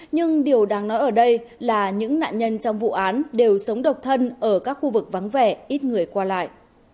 nhưng điều đáng nói ở đây là những nạn nhân trong vụ án đều sống độc thân ở các khu vực vắng vẻ ít người qua lại